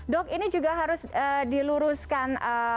dok ini juga harus diluruskan